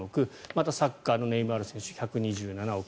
また、サッカーのネイマール選手１２７億。